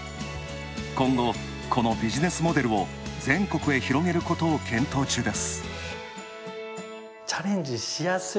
今後、このビジネスモデルを全国へ広げることを検討中です。